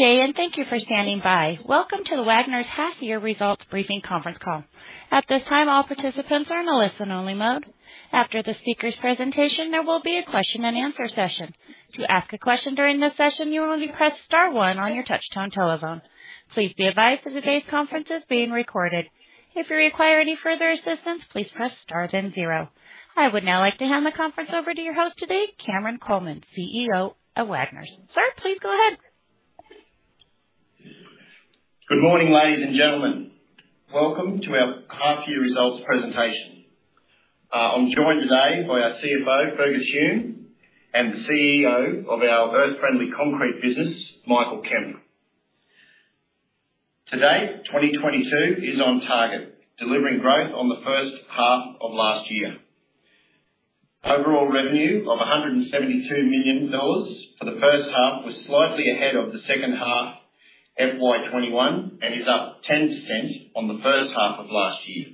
Good day, and thank you for standing by. Welcome to the Wagners' half-year results briefing conference call. At this time, all participants are in a listen-only mode. After the speaker's presentation, there will be a question-and-answer session. To ask a question during this session, you will only press star one on your touch-tone telephone. Please be advised that today's conference is being recorded. If you require any further assistance, please press star then zero. I would now like to hand the conference over to your host today, Cameron Coleman, Chief Executive Officer of Wagners. Sir, please go ahead. Good morning, ladies and gentlemen. Welcome to our half-year results presentation. I'm joined today by our Chief Financial Officer, Fergus Hume, and the Chief Executive Officer of our Earth Friendly Concrete Business, Michael Kemp. To date, 2022 is on target, delivering growth on the first half of last year. Overall revenue of 172 million dollars for the first half was slightly ahead of the second half FY 2021 and is up 10% on the first half of last year.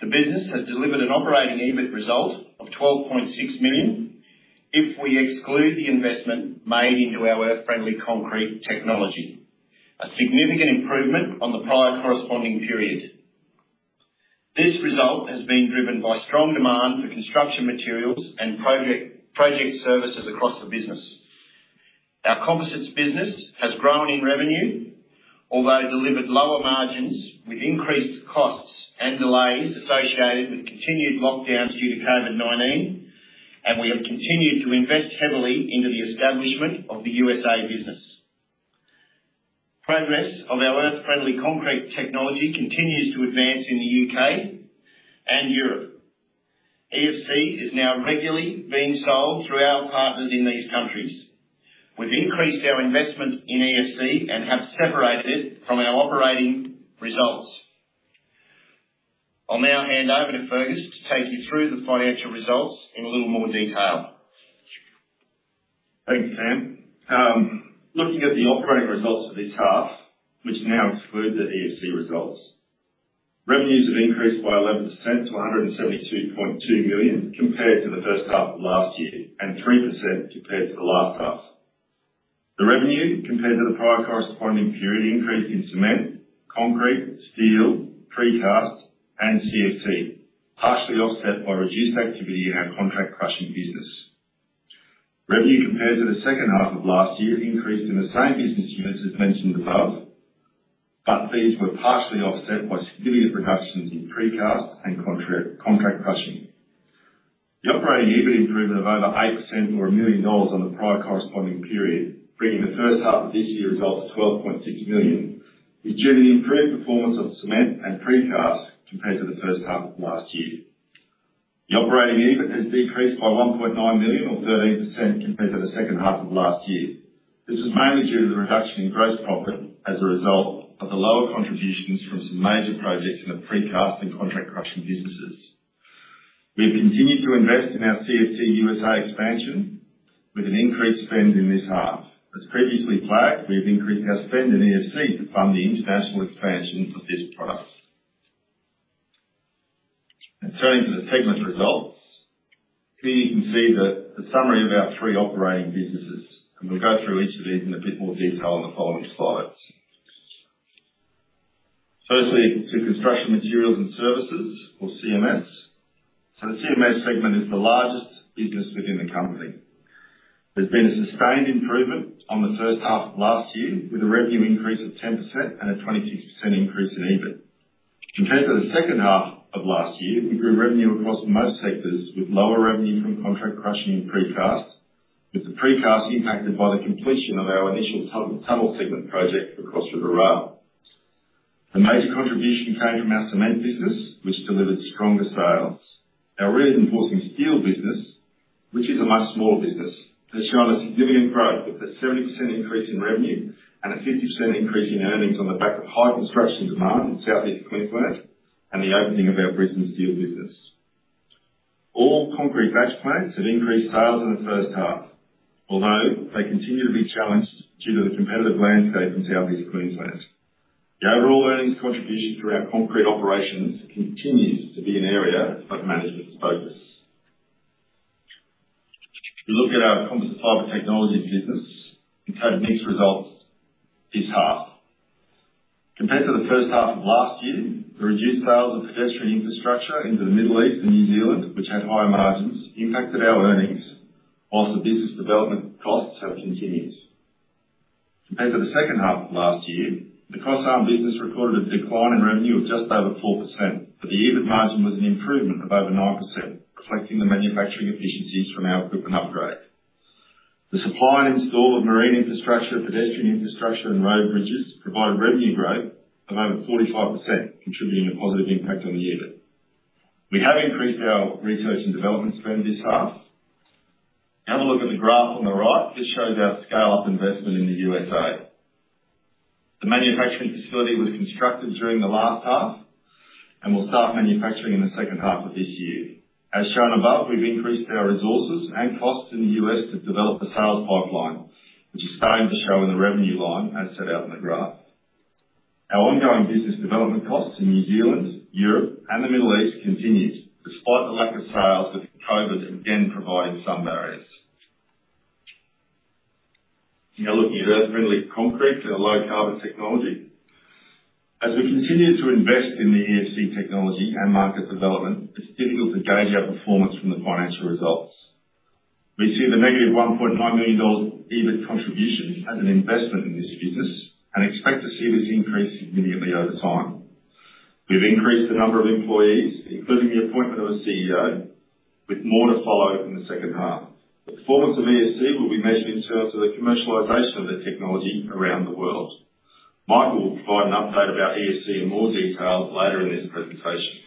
The business has delivered an operating EBIT result of 12.6 million if we exclude the investment made into our Earth Friendly Concrete technology, a significant improvement on the prior corresponding period. This result has been driven by strong demand for construction materials and project services across the business. Our composites business has grown in revenue, although delivered lower margins with increased costs and delays associated with continued lockdowns due to COVID-19, and we have continued to invest heavily into the establishment of the USA business. Progress of our Earth Friendly Concrete technology continues to advance in the U.K. and Europe. EFC is now regularly being sold through our partners in these countries. We've increased our investment in EFC and have separated it from our operating results. I'll now hand over to Fergus to take you through the financial results in a little more detail. Thank you, Cameron. Looking at the operating results for this half, which now exclude the EFC results. Revenues have increased by 11% to 172.2 million compared to the first half of last year and 3% compared to the last half. The revenue compared to the prior corresponding period increased in cement, concrete, steel, precast, and CFT, partially offset by reduced activity in our contract crushing business. Revenue compared to the second half of last year increased in the same business units as mentioned above, but these were partially offset by significant reductions in precast and contract crushing. The operating EBIT is up by over 8% or 1 million dollars on the prior corresponding period, bringing the first half of this year's results to 12.6 million. This is due to the improved performance of cement and precast compared to the first half of last year. The operating EBIT has decreased by 1.9 million or 13% compared to the second half of last year. This is mainly due to the reduction in gross profit as a result of the lower contributions from some major projects in the precast and contract crushing businesses. We have continued to invest in our Wagners CFT expansion with an increased spend in this half. As previously flagged, we have increased our spend in EFC to fund the international expansion of this product. Now turning to the segment results. Here you can see the summary of our three operating businesses, and we'll go through each of these in a bit more detail on the following slides. Firstly, the construction materials and services or CMS. The CMS segment is the largest business within the company. There's been a sustained improvement on the first half of last year with a revenue increase of 10% and a 26% increase in EBIT. Compared to the second half of last year, we grew revenue across most sectors with lower revenue from contract crushing and precast, with the precast impacted by the completion of our initial tunnel segment project for Cross River Rail. The major contribution came from our cement business, which delivered stronger sales. Our reinforcement steel business, which is a much smaller business, has shown a significant growth with a 70% increase in revenue and a 50% increase in earnings on the back of high construction demand in Southeast Queensland and the opening of our Brisbane Steel business. All concrete batch plants have increased sales in the first half, although they continue to be challenged due to the competitive landscape in Southeast Queensland. The overall earnings contribution through our concrete operations continues to be an area of management focus. If you look at our composite fiber technologies business, we've had mixed results this half. Compared to the first half of last year, the reduced sales of pedestrian infrastructure into the Middle East and New Zealand, which had higher margins, impacted our earnings, whilst the business development costs have continued. Compared to the second half of last year, the cross-arm business recorded a decline in revenue of just over 4%, but the EBIT margin was an improvement of over 9%, reflecting the manufacturing efficiencies from our equipment upgrade. The supply and install of marine infrastructure, pedestrian infrastructure, and road bridges provided revenue growth of over 45%, contributing a positive impact on the EBIT. We have increased our research and development spend this half. Now have a look at the graph on the right. This shows our scale-up investment in the USA. The manufacturing facility was constructed during the last half and will start manufacturing in the second half of this year. As shown above, we've increased our resources and costs in the U.S. to develop the sales pipeline, which is starting to show in the revenue line as set out in the graph. Our ongoing business development costs in New Zealand, Europe and the Middle East continued despite the lack of sales that COVID again provided some barriers. Now looking at Earth Friendly Concrete and our low carbon technology. As we continue to invest in the EFC technology and market development, it's difficult to gauge our performance from the financial results. We see the negative 1.9 million dollar EBIT contribution as an investment in this business and expect to see this increase significantly over time. We've increased the number of employees, including the appointment of a Chief Executive Officer, with more to follow in the second half. The performance of EFC will be measured in terms of the commercialization of the technology around the world. Michael will provide an update about EFC in more detail later in this presentation.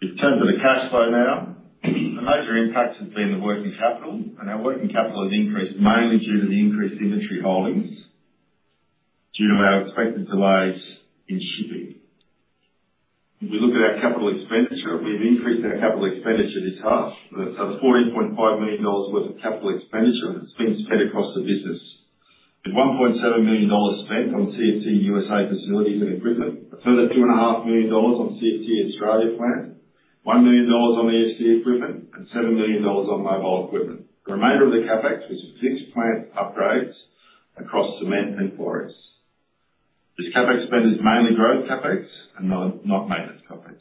In terms of the cash flow now, the major impact has been the working capital, and our working capital has increased mainly due to the increased inventory holdings due to our expected delays in shipping. If we look at our capital expenditure, we've increased our capital expenditure this half. The 14.5 million dollars worth of capital expenditure has been spread across the business. The 1.7 million dollars spent on CFT facilities and equipment. A further 2.5 million dollars on CFT Australia plant. 1 million dollars on EFC equipment and 7 million dollars on mobile equipment. The remainder of the CapEx was fixed plant upgrades across cement and precast. This CapEx spend is mainly growth CapEx and not maintenance CapEx.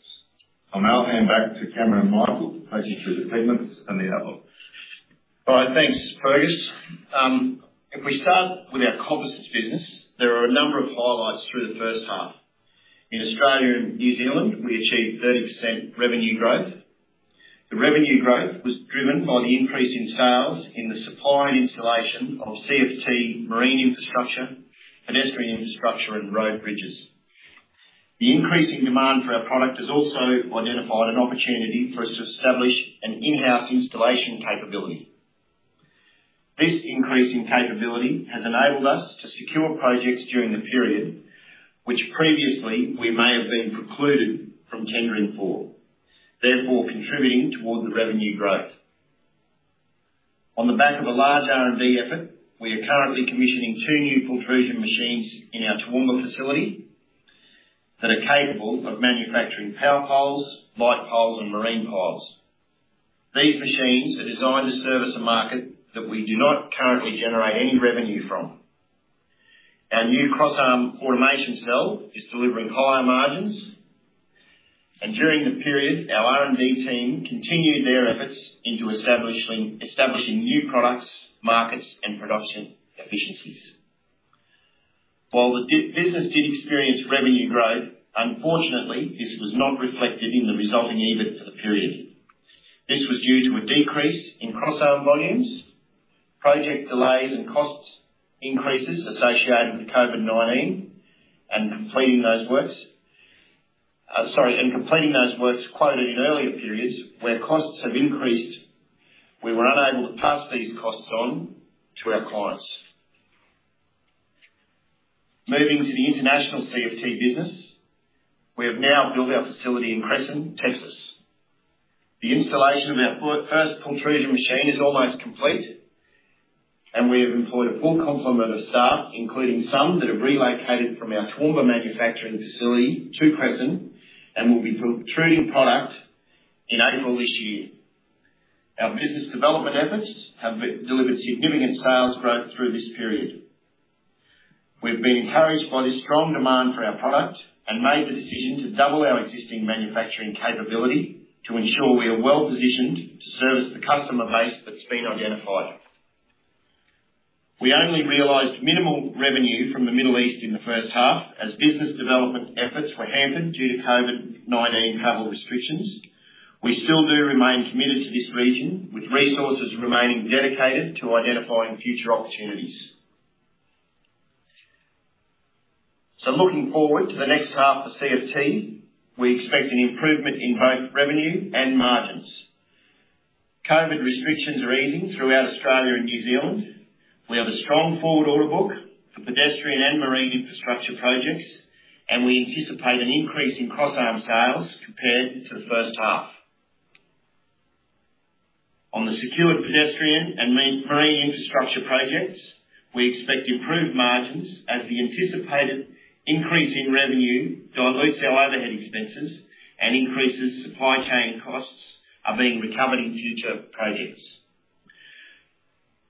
I'll now hand back to Cameron and Michael to take you through the segments and the outlook. All right, thanks, Fergus. If we start with our composites business, there are a number of highlights through the first half. In Australia and New Zealand, we achieved 30% revenue growth. The revenue growth was driven by the increase in sales in the supply and installation of CFT marine infrastructure, pedestrian infrastructure and road bridges. The increasing demand for our product has also identified an opportunity for us to establish an in-house installation capability. This increase in capability has enabled us to secure projects during the period which previously we may have been precluded from tendering for, therefore contributing towards the revenue growth. On the back of a large R&D effort, we are currently commissioning two new pultrusion machines in our Toowoomba facility that are capable of manufacturing power poles, light poles and marine poles. These machines are designed to service a market that we do not currently generate any revenue from. Our new crossarm automation cell is delivering higher margins. During the period, our R&D team continued their efforts into establishing new products, markets and production efficiencies. While the domestic business did experience revenue growth, unfortunately this was not reflected in the resulting EBIT for the period. This was due to a decrease in crossarm volumes, project delays and costs increases associated with COVID-19 and completing those works quoted in earlier periods where costs have increased. We were unable to pass these costs on to our clients. Moving to the international CFT business. We have now built our facility in Cresson, Texas. The installation of our pultrusion machine is almost complete, and we have employed a full complement of staff, including some that have relocated from our Toowoomba manufacturing facility to Cresson, and will be pultruding product in April this year. Our business development efforts have been delivered significant sales growth through this period. We've been encouraged by the strong demand for our product and made the decision to double our existing manufacturing capability to ensure we are well positioned to service the customer base that's been identified. We only realized minimal revenue from the Middle East in the first half as business development efforts were hampered due to COVID-19 travel restrictions. We still do remain committed to this region, with resources remaining dedicated to identifying future opportunities. Looking forward to the next half for CFT, we expect an improvement in both revenue and margins. COVID restrictions are easing throughout Australia and New Zealand. We have a strong forward order book for pedestrian and marine infrastructure projects, and we anticipate an increase in crossarm sales compared to the first half. On the secured pedestrian and marine infrastructure projects, we expect improved margins as the anticipated increase in revenue dilutes our overhead expenses and increases supply chain costs are being recovered in future projects.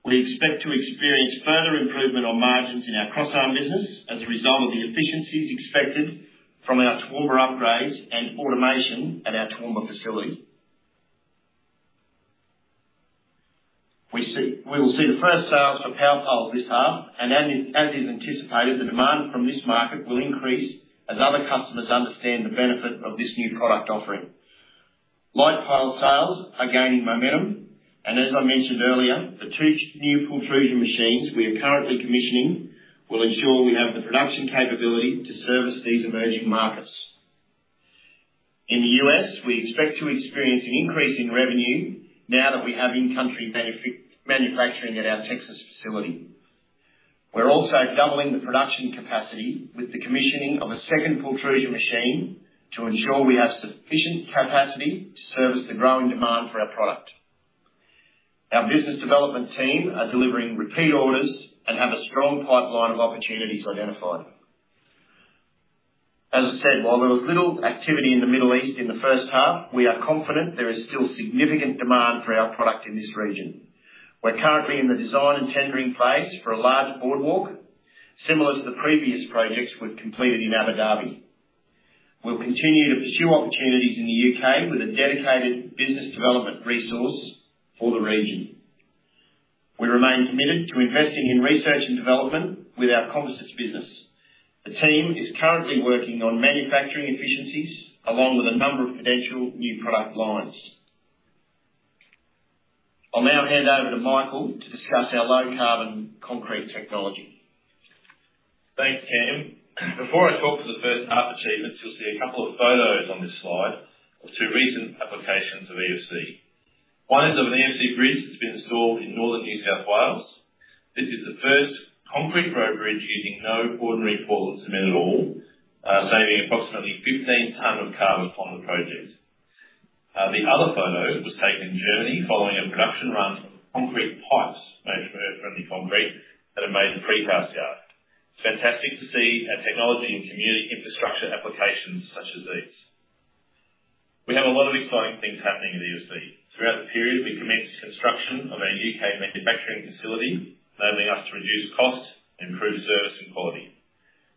We expect to experience further improvement on margins in our crossarm business as a result of the efficiencies expected from our Toowoomba upgrades and automation at our Toowoomba facility. We will see the first sales for power poles this half and then as is anticipated, the demand from this market will increase as other customers understand the benefit of this new product offering. Light pole sales are gaining momentum and as I mentioned earlier, the two new pultrusion machines we are currently commissioning will ensure we have the production capability to service these emerging markets. In the U.S., we expect to experience an increase in revenue now that we have in-country manufacturing at our Texas facility. We're also doubling the production capacity with the commissioning of a second pultrusion machine to ensure we have sufficient capacity to service the growing demand for our product. Our business development team are delivering repeat orders and have a strong pipeline of opportunities identified. As I said, while there was little activity in the Middle East in the first half, we are confident there is still significant demand for our product in this region. We're currently in the design and tendering phase for a large boardwalk similar to the previous projects we've completed in Abu Dhabi. We'll continue to pursue opportunities in the U.K. with a dedicated business development resource for the region. We remain committed to investing in research and development with our composites business. The team is currently working on manufacturing efficiencies along with a number of potential new product lines. I'll now hand over to Michael to discuss our low carbon concrete technology. Thanks, Cameron. Before I talk to the first half achievements, you'll see a couple of photos on this slide of two recent applications of EFC. One is of an EFC bridge that's been installed in Northern New South Wales. This is the first concrete road bridge using no ordinary Portland cement at all, saving approximately 15 tons of carbon on the project. The other photo was taken in Germany following a production run of concrete pipes made from Earth Friendly Concrete that have made at the precast yard. It's fantastic to see our technology in community infrastructure applications such as these. We have a lot of exciting things happening at EFC. Throughout the period, we commenced construction of our U.K. manufacturing facility, enabling us to reduce costs, improve service and quality.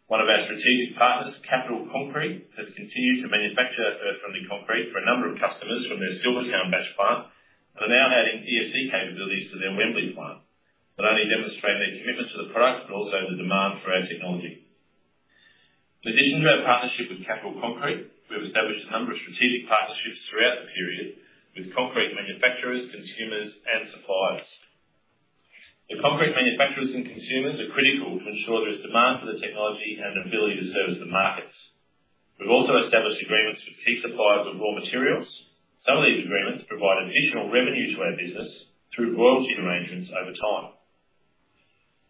One of our strategic partners, Capital Concrete, has continued to manufacture Earth Friendly Concrete for a number of customers from their Silvertown batch plant and are now adding EFC capabilities to their Wembley plant, not only demonstrating their commitment to the product, but also the demand for our technology. In addition to our partnership with Capital Concrete, we have established a number of strategic partnerships throughout the period with concrete manufacturers, consumers, and suppliers. The concrete manufacturers and consumers are critical to ensure there is demand for the technology and an ability to service the markets. We've also established agreements with key suppliers of raw materials. Some of these agreements provide additional revenue to our business through royalty arrangements over time.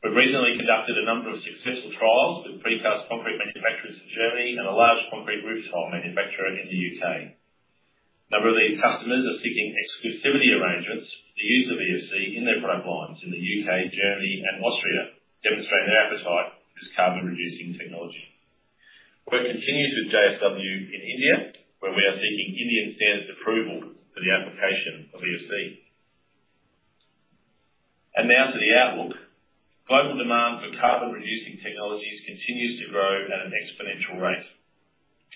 We've recently conducted a number of successful trials with precast concrete manufacturers in Germany and a large concrete rooftop manufacturer in the U.K. A number of these customers are seeking exclusivity arrangements for the use of EFC in their product lines in the U.K., Germany and Austria, demonstrating an appetite for this carbon reducing technology. Work continues with JSW in India, where we are seeking Indian Standard approval for the application of EFC. Now to the outlook. Global demand for carbon reducing technologies continues to grow at an exponential rate.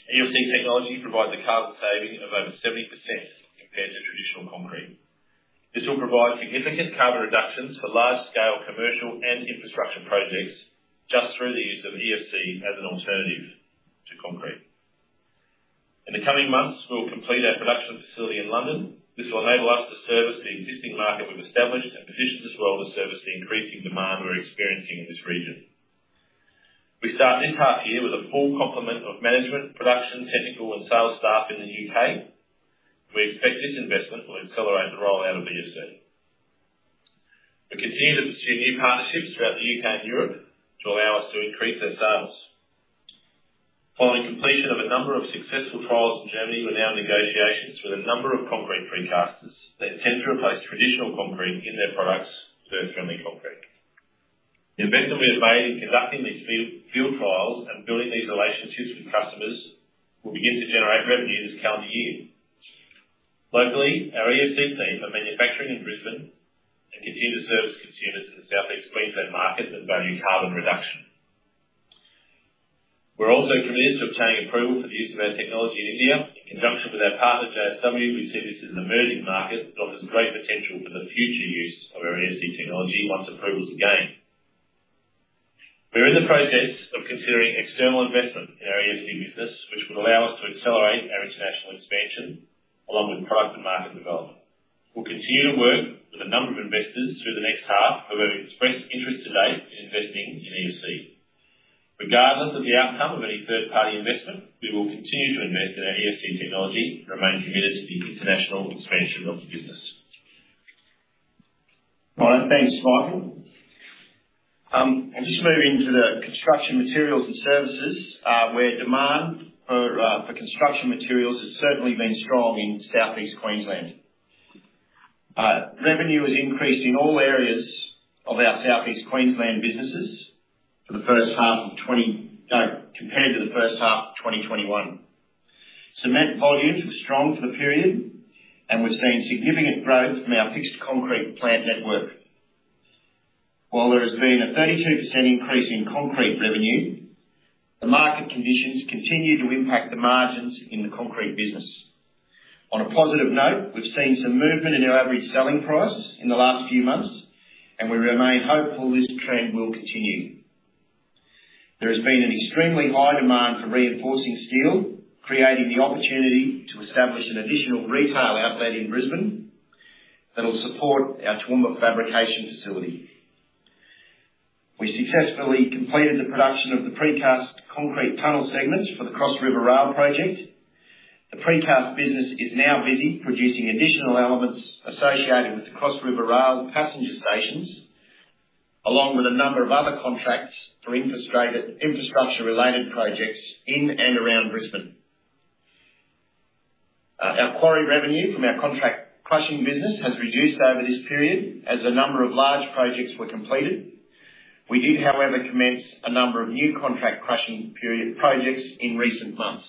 EFC technology provides a carbon saving of over 70% compared to traditional concrete. This will provide significant carbon reductions for large scale commercial and infrastructure projects just through the use of EFC as an alternative to concrete. In the coming months, we'll complete our production facility in London. This will enable us to service the existing market we've established and positions us well to service the increasing demand we're experiencing in this region. We start this half year with a full complement of management, production, technical and sales staff in the U.K. We expect this investment will accelerate the rollout of EFC. We continue to pursue new partnerships throughout the U.K. and Europe to allow us to increase our sales. Following completion of a number of successful trials in Germany, we're now in negotiations with a number of concrete precasters. They intend to replace traditional concrete in their products with Earth Friendly Concrete. The investment we have made in conducting these field trials and building these relationships with customers will begin to generate revenue this calendar year. Locally, our EFC team are manufacturing in Brisbane and continue to service consumers in the Southeast Queensland market that value carbon reduction. We're also committed to obtaining approval for the use of our technology in India. In conjunction with our partner, JSW, we see this as an emerging market that offers great potential for the future use of our EFC technology once approval is gained. We're in the process of considering external investment in our EFC business, which would allow us to accelerate our international expansion along with product and market development. We'll continue to work with a number of investors through the next half who have expressed interest to date in investing in EFC. Regardless of the outcome of any third-party investment, we will continue to invest in our EFC technology and remain committed to the international expansion of the business. All right. Thanks, Michael. I'll just move into the construction materials and services, where demand for construction materials has certainly been strong in Southeast Queensland. Revenue has increased in all areas of our Southeast Queensland businesses compared to the first half of 2021. Cement volumes were strong for the period, and we've seen significant growth from our fixed concrete plant network. While there has been a 32% increase in concrete revenue, the market conditions continue to impact the margins in the concrete business. On a positive note, we've seen some movement in our average selling price in the last few months, and we remain hopeful this trend will continue. There has been an extremely high demand for reinforcing steel, creating the opportunity to establish an additional retail outlet in Brisbane that will support our Toowoomba fabrication facility. We successfully completed the production of the precast concrete tunnel segments for the Cross River Rail project. The precast business is now busy producing additional elements associated with the Cross River Rail passenger stations, along with a number of other contracts for infrastructure-related projects in and around Brisbane. Our quarry revenue from our contract crushing business has reduced over this period as a number of large projects were completed. We did, however, commence a number of new contract crushing projects in recent months.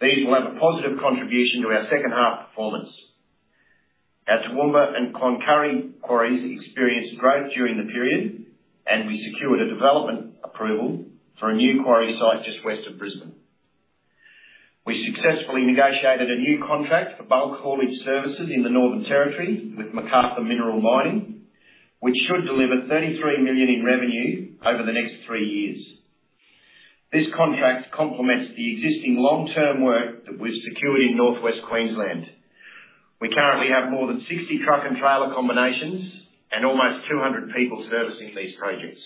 These will have a positive contribution to our second half performance. Our Toowoomba and Cloncurry quarries experienced growth during the period, and we secured a development approval for a new quarry site just west of Brisbane. We successfully negotiated a new contract for bulk hauling services in the Northern Territory with McArthur River Mining, which should deliver 33 million in revenue over the next three years. This contract complements the existing long-term work that we've secured in Northwest Queensland. We currently have more than 60 truck and trailer combinations and almost 200 people servicing these projects.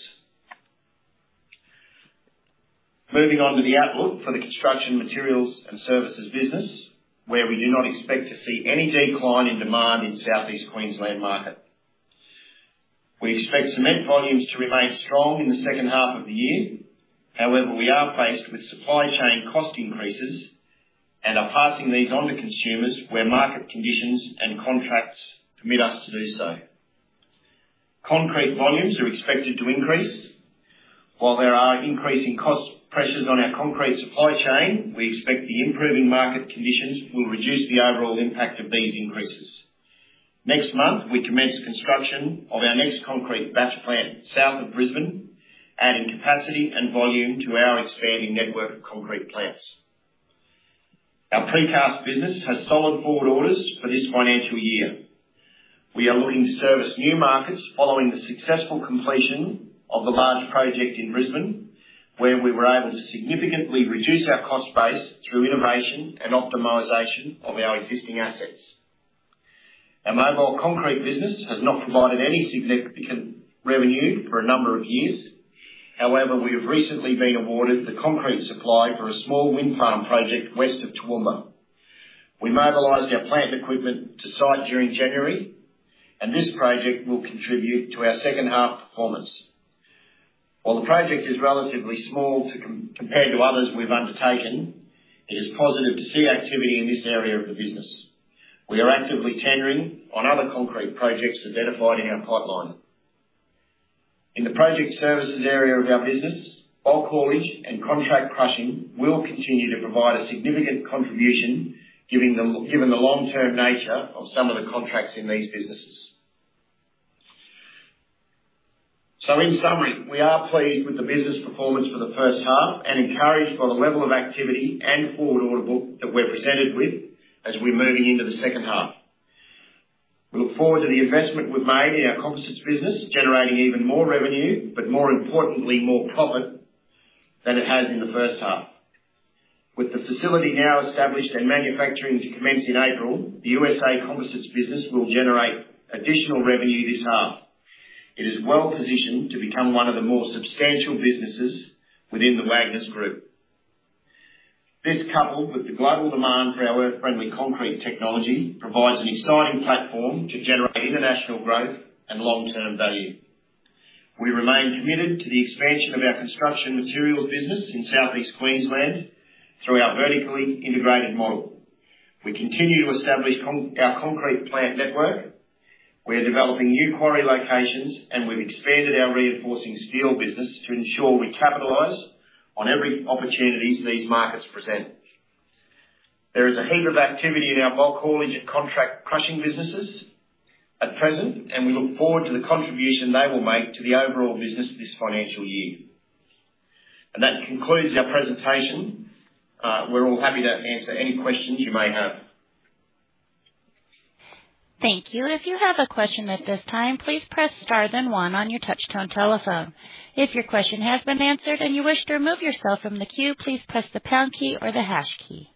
Moving on to the outlook for the construction materials and services business, where we do not expect to see any decline in demand in Southeast Queensland market. We expect cement volumes to remain strong in the second half of the year. However, we are faced with supply chain cost increases and are passing these on to consumers where market conditions and contracts permit us to do so. Concrete volumes are expected to increase. While there are increasing cost pressures on our concrete supply chain, we expect the improving market conditions will reduce the overall impact of these increases. Next month, we commence construction of our next concrete batch plant south of Brisbane, adding capacity and volume to our expanding network of concrete plants. Our precast business has solid forward orders for this financial year. We are looking to service new markets following the successful completion of the large project in Brisbane, where we were able to significantly reduce our cost base through innovation and optimization of our existing assets. Our mobile concrete business has not provided any significant revenue for a number of years. However, we have recently been awarded the concrete supply for a small wind farm project west of Toowoomba. We mobilized our plant equipment to site during January, and this project will contribute to our second half performance. While the project is relatively small compared to others we've undertaken, it is positive to see activity in this area of the business. We are actively tendering on other concrete projects identified in our pipeline. In the project services area of our business, bulk haulage and contract crushing will continue to provide a significant contribution given the long-term nature of some of the contracts in these businesses. In summary, we are pleased with the business performance for the first half and encouraged by the level of activity and forward order book that we're presented with as we're moving into the second half. We look forward to the investment we've made in our composites business, generating even more revenue, but more importantly, more profit than it has in the first half. With the facility now established and manufacturing to commence in April, the USA composites business will generate additional revenue this half. It is well positioned to become one of the more substantial businesses within the Wagners group. This, coupled with the global demand for our Earth Friendly Concrete technology, provides an exciting platform to generate international growth and long-term value. We remain committed to the expansion of our construction materials business in Southeast Queensland through our vertically integrated model. We continue to establish our concrete plant network. We are developing new quarry locations, and we've expanded our reinforcing steel business to ensure we capitalize on every opportunity these markets present. There is a heap of activity in our bulk haulage and contract crushing businesses at present, and we look forward to the contribution they will make to the overall business this financial year. That concludes our presentation. We're all happy to answer any questions you may have. Thank you. If you have a question at this time, please press star then one on your touchtone telephone. If your question has been answered and you wish to remove yourself from the queue, please press the pound key or the hash key.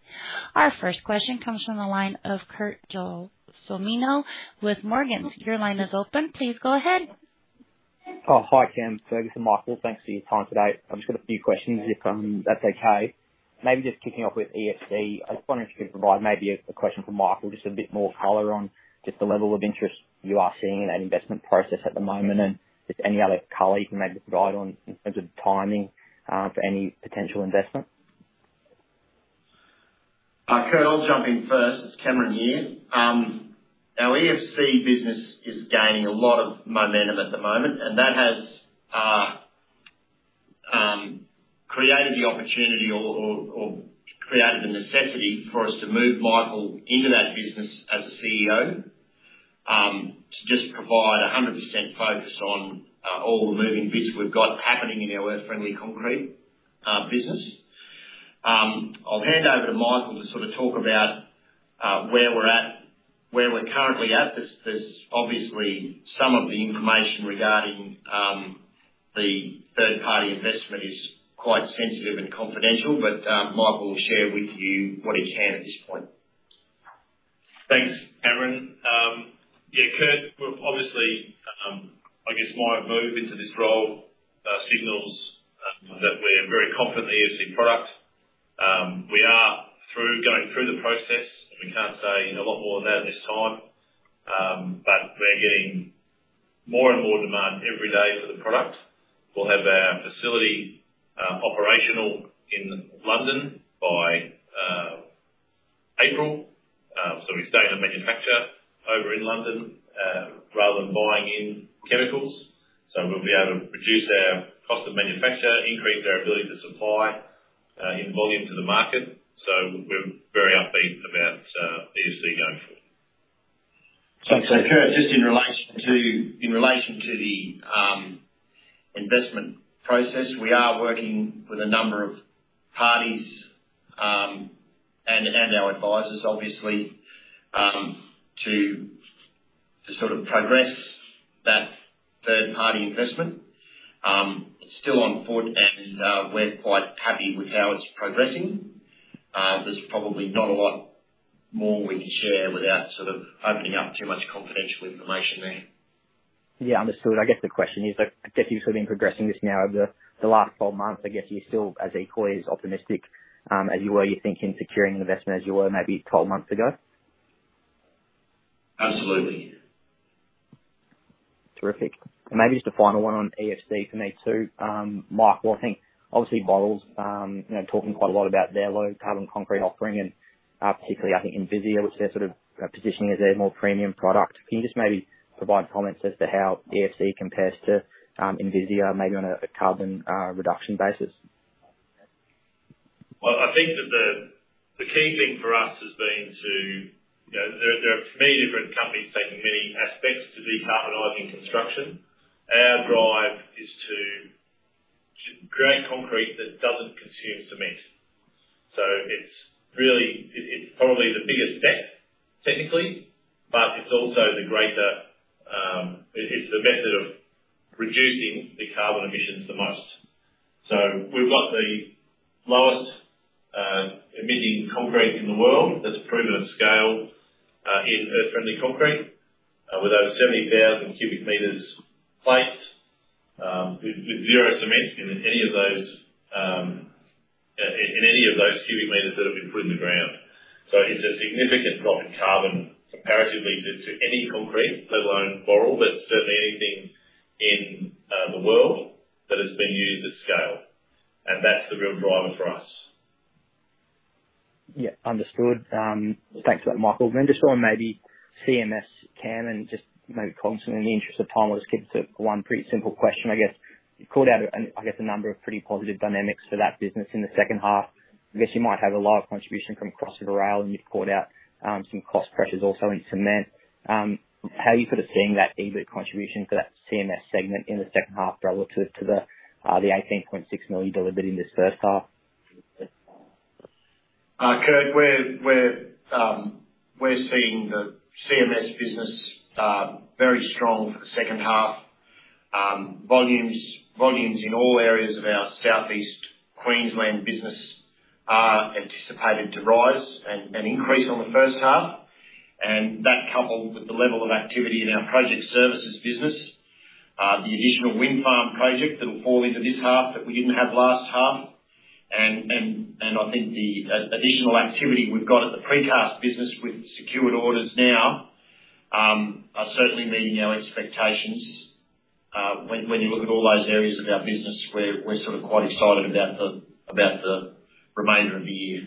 Our first question comes from the line of Kurt Gelsomino with Morgans Financial. Your line is open. Please go ahead. Oh, hi, Cam, Fergus, and Michael. Thanks for your time today. I've just got a few questions, if that's okay. Maybe just kicking off with EFC. I just wondered if you could provide maybe a question for Michael, just a bit more color on just the level of interest you are seeing in that investment process at the moment and just any other color you can maybe provide on in terms of timing for any potential investment. Kurt, I'll jump in first. It's Cameron here. Our EFC business is gaining a lot of momentum at the moment, and that has created the necessity for us to move Michael into that business as a Chief Executive Officer to just provide 100% focus on all the moving bits we've got happening in our Earth Friendly Concrete business. I'll hand over to Michael to sort of talk about where we're at, where we're currently at. There's obviously some of the information regarding the third-party investment is quite sensitive and confidential, but Michael will share with you what he can at this point. Thanks, Cameron. Yeah, Kurt, we're obviously, I guess my move into this role signals that we're very confident in the EFC product. We are going through the process, and we can't say a lot more about it at this time. We're getting more and more demand every day for the product. We'll have our facility operational in London by April. We start to manufacture over in London rather than buying in chemicals. We'll be able to reduce our cost of manufacture, increase our ability to supply in volume to the market. We're very upbeat about EFC going forward. Kurt, just in relation to the investment process, we are working with a number of parties and our advisors, obviously, to sort of progress that third-party investment. It's still afoot and we're quite happy with how it's progressing. There's probably not a lot more we can share without sort of opening up too much confidential information there. Yeah. Understood. I guess the question is, I guess you've sort of been progressing this now over the last 12 months. I guess you're still as equally as optimistic, as you were you think in securing investment as you were maybe 12 months ago? Absolutely. Terrific. Maybe just a final one on EFC for me too. Michael, what I think obviously Boral's, you know, talking quite a lot about their low carbon concrete offering and, particularly I think ENVISIA, which they're sort of positioning as their more premium product. Can you just maybe provide comments as to how EFC compares to ENVISIA maybe on a carbon reduction basis? Well, I think that the key thing for us has been to, you know, there are many different companies taking many aspects to decarbonizing construction. Our drive is to create concrete that doesn't consume cement. It's really. It's probably the biggest bet technically, but it's also the greater. It's the method of reducing the carbon emissions the most. We've got the lowest emitting concrete in the world that's proven at scale in Earth Friendly Concrete. With over 70,000 cu m placed, with zero cement in any of those cubic meters that have been put in the ground. It's a significant drop in carbon comparatively to any concrete, let alone Boral, but certainly anything in the world that has been used at scale. That's the real driver for us. Understood. Thanks for that, Michael. Just on maybe CMS, Cameron, and just maybe concisely in the interest of time, we'll just keep to one pretty simple question, I guess. You called out, I guess, a number of pretty positive dynamics for that business in the second half. I guess you might have a lot of contribution from Cross River Rail, and you've called out some cost pressures also in cement. How are you sort of seeing that EBIT contribution for that CMS segment in the second half relative to the 18.6 million dollar delivered in this first half? Kurt, we're seeing the CMS business very strong for the second half. Volumes in all areas of our Southeast Queensland business are anticipated to rise and increase on the first half. That coupled with the level of activity in our project services business, the additional wind farm project that'll fall into this half that we didn't have last half, and I think the additional activity we've got at the precast business with secured orders now, are certainly meeting our expectations. When you look at all those areas of our business, we're sort of quite excited about the remainder of the year.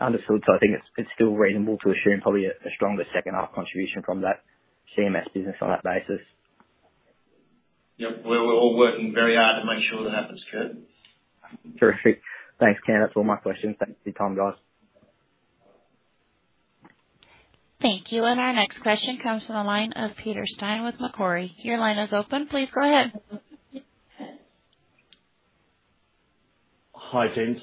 Understood. I think it's still reasonable to assume probably a stronger second half contribution from that CMS business on that basis. Yep. We're all working very hard to make sure that happens, Kurt. Terrific. Thanks, Cameron. That's all my questions. Thanks for your time, guys. Thank you. Our next question comes from the line of Peter Steyn with Macquarie. Your line is open. Please go ahead. Hi, gents.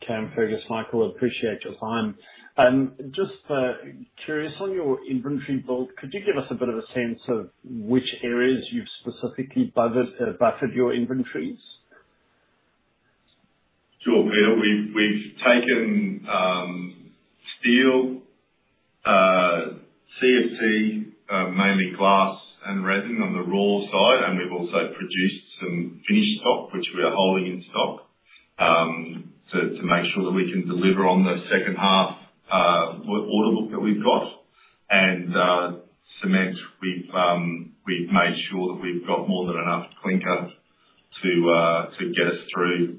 Cameron, Fergus, Michael, I appreciate your time. Just curious on your inventory build, could you give us a bit of a sense of which areas you've specifically buffered your inventories? Sure, Peter. We've taken steel, CFT, mainly glass and resin on the raw side, and we've also produced some finished stock, which we are holding in stock to make sure that we can deliver on the second half order book that we've got. Cement, we've made sure that we've got more than enough clinker to get us through.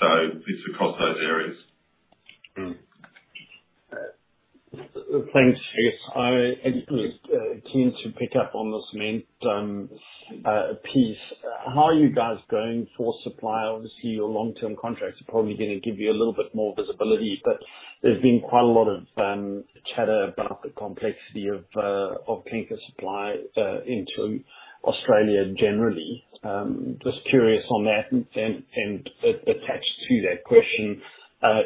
It's across those areas. Thanks. Yes. I was keen to pick up on the cement piece. How are you guys going for supply? Obviously, your long-term contracts are probably gonna give you a little bit more visibility, but there's been quite a lot of chatter about the complexity of clinker supply into Australia generally. Just curious on that. Attached to that question,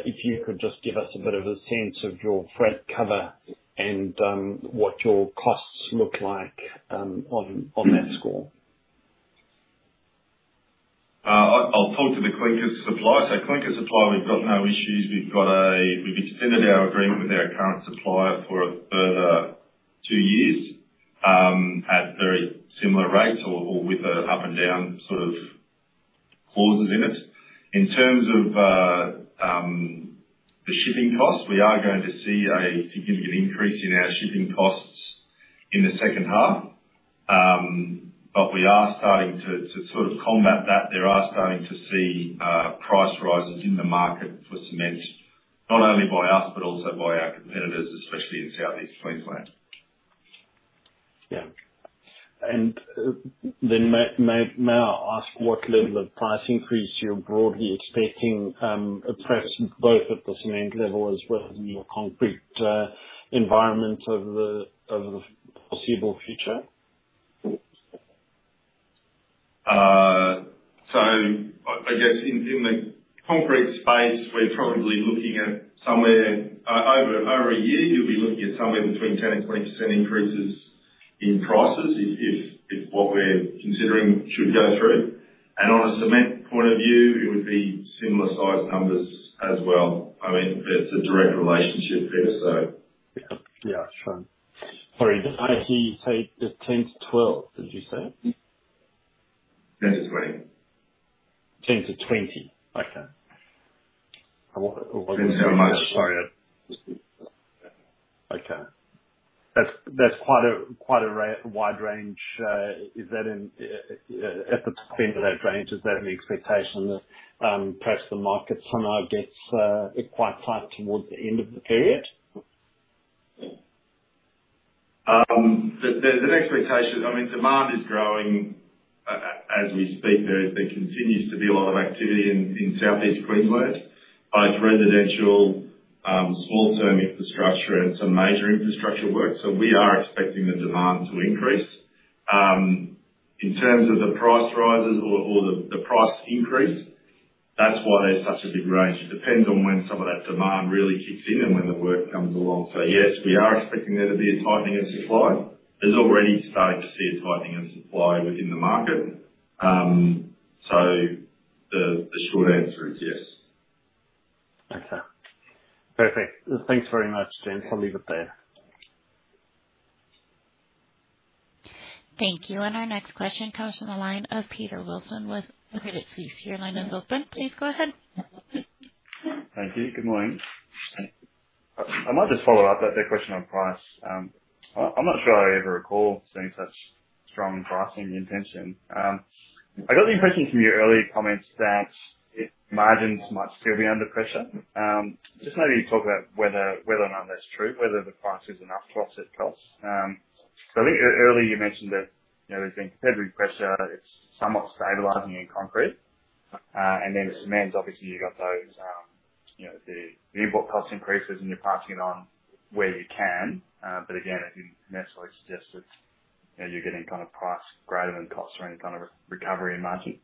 if you could just give us a bit of a sense of your freight cover and what your costs look like on that score. I'll talk to the clinker supply. Clinker supply, we've got no issues. We've extended our agreement with our current supplier for a further two years at very similar rates or with an up and down sort of Clauses in it. In terms of the shipping costs, we are going to see a significant increase in our shipping costs in the second half. We are starting to sort of combat that. They are starting to see price rises in the market for cement, not only by us, but also by our competitors, especially in Southeast Queensland. May I ask what level of price increase you're broadly expecting, perhaps both at the cement level as well as in your concrete environment over the foreseeable future? I guess in the concrete space, we're probably looking at somewhere over a year. You'll be looking at somewhere between 10%-20% increases in prices if what we're considering should go through. On a cement point of view, it would be similar size numbers as well. I mean, it's a direct relationship there. Yeah. Yeah, sure. Sorry, did I hear you say 10-12, did you say? 10-20. 10-20. Okay. Thank you very much. Sorry. Okay. That's quite a wide range. Is that, at the center of that range, an expectation that perhaps the market somehow gets quite tight towards the end of the period? I mean, demand is growing as we speak. There continues to be a lot of activity in Southeast Queensland, both residential, short-term infrastructure and some major infrastructure work. We are expecting the demand to increase. In terms of the price rises or the price increase, that's why there's such a big range. It depends on when some of that demand really kicks in and when the work comes along. Yes, we are expecting there to be a tightening of supply. We're already starting to see a tightening of supply within the market. The short answer is yes. Okay. Perfect. Thanks very much, Michael. I'll leave it there. Thank you. Our next question comes from the line of Peter Wilson with Credit Suisse. Your line is open. Please go ahead. Thank you. Good morning. I might just follow up that question on price. I'm not sure I ever recall seeing such strong pricing intention. I got the impression from your earlier comments that margins might still be under pressure. Just maybe talk about whether or not that's true, whether the price is enough to offset costs. Earlier you mentioned that, you know, there's been considerable pressure, it's somewhat stabilizing in concrete. Cement, obviously you've got those, you know, the input cost increases and you're passing it on where you can. I didn't necessarily suggest that, you know, you're getting kind of price greater than costs or any kind of recovery in margin.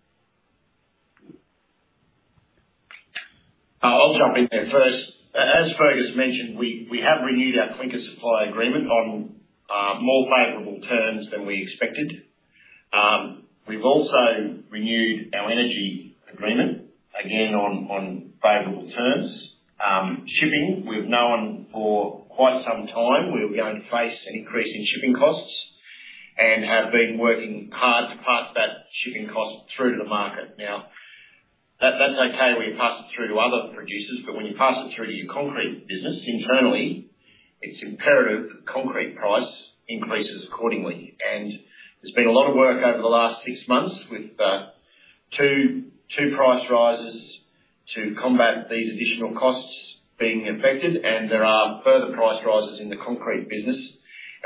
I'll jump in there first. As Fergus mentioned, we have renewed our clinker supply agreement on more favorable terms than we expected. We've also renewed our energy agreement again on favorable terms. Shipping, we've known for quite some time we were going to face an increase in shipping costs and have been working hard to pass that shipping cost through to the market. Now that's okay when you pass it through to other producers, but when you pass it through to your concrete business internally, it's imperative concrete price increases accordingly. There's been a lot of work over the last six months with two price rises to combat these additional costs being effected. There are further price rises in the concrete business.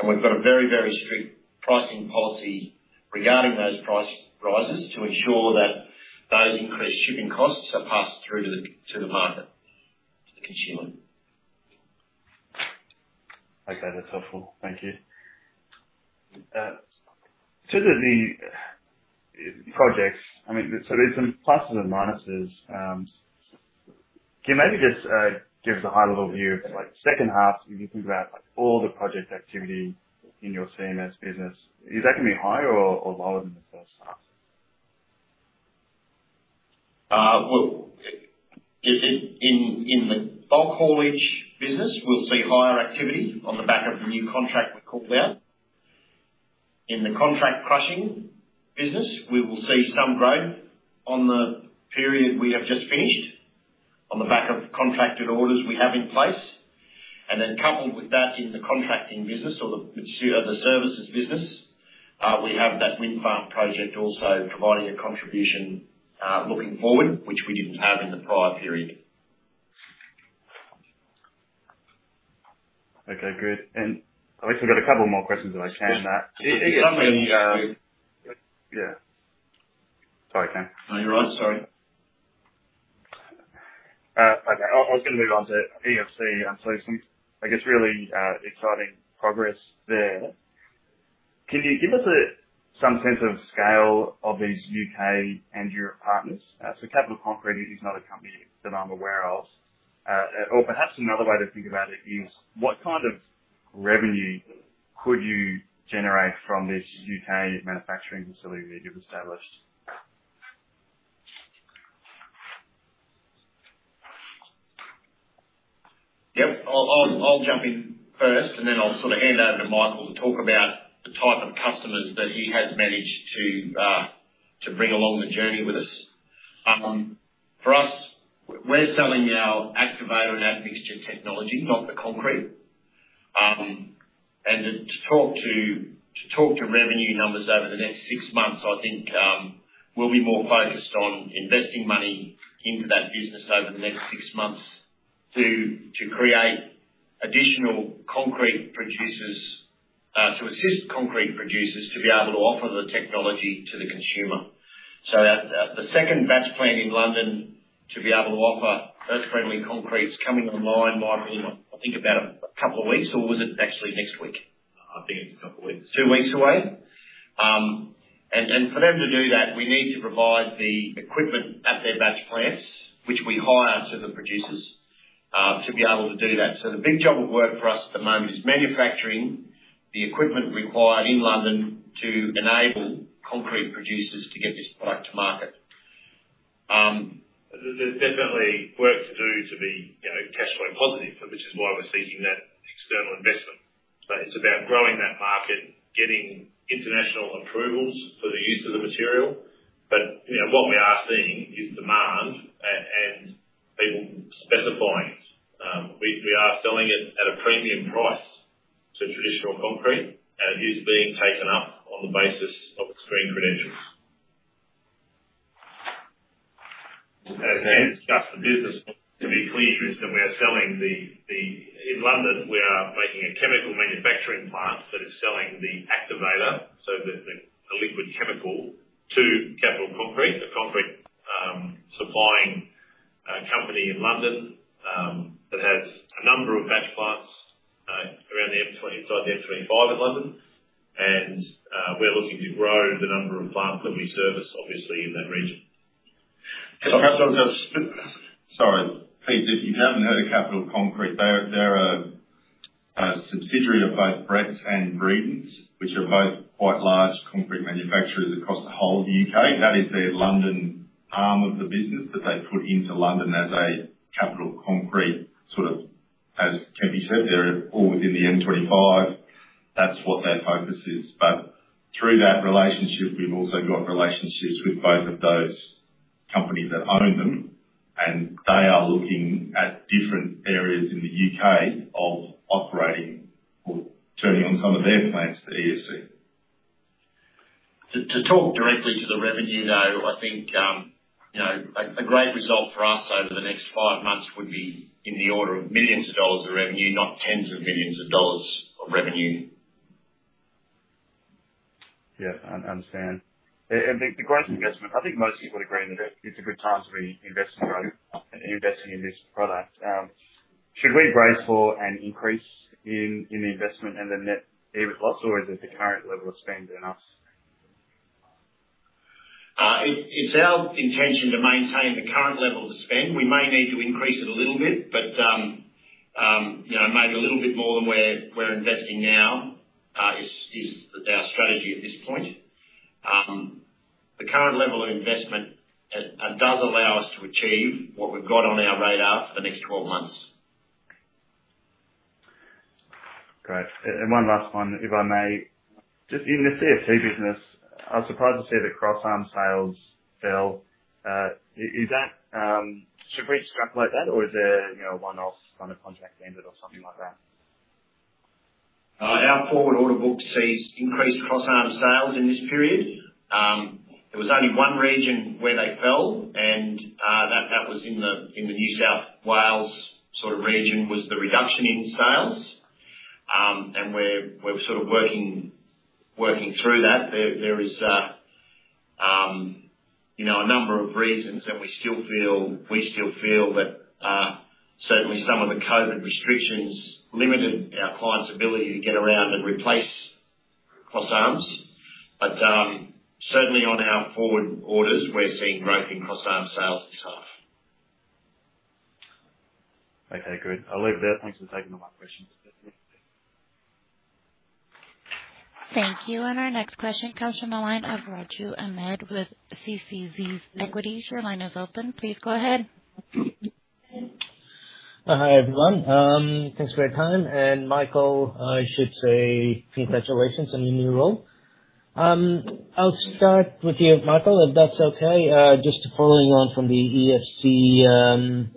We've got a very, very strict pricing policy regarding those price rises to ensure that those increased shipping costs are passed through to the, to the market, to the consumer. Okay, that's helpful. Thank you. To the projects, I mean, so there's some pluses and minuses. Can you maybe just give us a high level view of like second half, you can think about like all the project activity in your CMS business. Is that gonna be higher or lower than the first half? Well, in the bulk haulage business, we'll see higher activity on the back of the new contract we called out. In the contract crushing business, we will see some growth on the period we have just finished on the back of contracted orders we have in place. Coupled with that, in the contracting business or the services business, we have that wind farm project also providing a contribution, looking forward, which we didn't have in the prior period. Okay, good. I've actually got a couple more questions if I can. Yeah. Yeah. Sorry, Cameron. No, you're right. Sorry. Okay. I was gonna move on to EFC. I saw some, I guess, really exciting progress there. Can you give us some sense of scale of these U.K. and Europe partners? Capital Concrete is not a company that I'm aware of. Or perhaps another way to think about it is what kind of revenue could you generate from this U.K. manufacturing facility that you've established? Yep. I'll jump in first, and then I'll sort of hand over to Michael to talk about the type of customers that he has managed to bring along the journey with us. For us, we're selling our activator and admixture technology, not the concrete. To talk to revenue numbers over the next six months, I think, we'll be more focused on investing money into that business over the next six months to create additional concrete producers to assist concrete producers to be able to offer the technology to the consumer. The second batch plant in London to be able to offer Earth Friendly Concrete is coming online, Michael, in I think about a couple of weeks, or was it actually next week? I think it's a couple of weeks. Two weeks away. For them to do that, we need to provide the equipment at their batch plants, which we hire to the producers, to be able to do that. The big job of work for us at the moment is manufacturing the equipment required in London to enable concrete producers to get this product to market. There's definitely work to do to be, you know, cash flow positive, which is why we're seeking that external investment. It's about growing that market, getting international approvals for the use of the material. You know, what we are seeing is demand and people specifying it. We are selling it at a premium price to traditional concrete, and it is being taken up on the basis of its green credentials. Just the business, to be clear, is that in London we are making a chemical manufacturing plant that is selling the activator, so the liquid chemical to Capital Concrete, the concrete supplying company in London that has a number of batch plants around the M20, inside the M25 in London. We're looking to grow the number of plants that we service, obviously, in that region. Can I perhaps. Sorry. Peter, if you haven't heard of Capital Concrete, they're a subsidiary of both Bretts and Breedon, which are both quite large concrete manufacturers across the whole of the U.K. That is their London arm of the business that they put into London as a Capital Concrete, sort of as can be said, they're all within the M25. That's what their focus is. Through that relationship, we've also got relationships with both of those companies that own them, and they are looking at different areas in the U.K. of operating or turning on some of their plants to EFC. To talk directly to the revenue, though, I think, you know, a great result for us over the next five months would be in the order of millions dollars of revenue, not tens of millions of dollars of revenue. Yeah. Understand. The growth investment, I think most people agree that it's a good time to be investing in this product. Should we brace for an increase in the investment and the net EBIT loss, or is the current level of spend enough? It's our intention to maintain the current level of spend. We may need to increase it a little bit, you know, maybe a little bit more than we're investing now, is our strategy at this point. The current level of investment does allow us to achieve what we've got on our radar for the next 12 months. Great. One last one, if I may. Just in the EFC business, I was surprised to see the cross-arm sales fell. Should we extrapolate that or is there, you know, a one-off, one contract ended or something like that? Our forward order book sees increased cross-arm sales in this period. There was only one region where they fell, and that was in the New South Wales sort of region was the reduction in sales. We're sort of working through that. There is, you know, a number of reasons and we still feel that certainly some of the COVID restrictions limited our clients' ability to get around and replace cross-arms. Certainly on our forward orders, we're seeing growth in cross-arm sales this half. Okay, good. I'll leave it there. Thanks for taking all my questions. Thank you. Our next question comes from the line of Raju Ahmed with CCZ Equities. Your line is open. Please go ahead. Hi, everyone. Thanks for your time. Michael, I should say congratulations on your new role. I'll start with you, Michael, if that's okay. Just following on from the EFC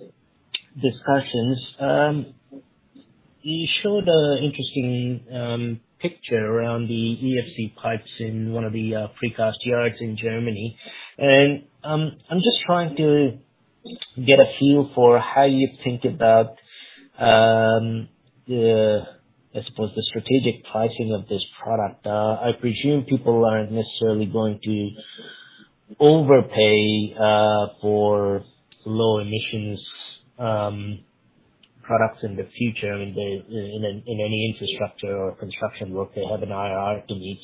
discussions. You showed an interesting picture around the EFC pipes in one of the precast yards in Germany. I'm just trying to get a feel for how you think about the, I suppose, the strategic pricing of this product. I presume people aren't necessarily going to overpay for low emissions products in the future. I mean, in any infrastructure or construction work, they have an IRR to meet.